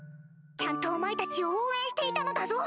ちゃんとお前たちを応援していたのだぞ！